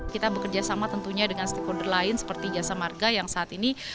kita bekerja sama tentunya dengan stakeholder lain seperti jasa marga yang saat ini